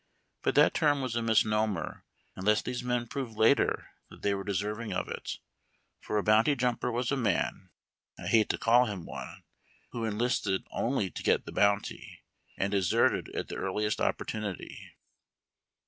But that term was a misnomer, unless these men proved later that they were deserving of it, for a bounty jumper was a man — I hate to call him one — who enlisted only to get the bounty, and deserted at the ear liest opportunity.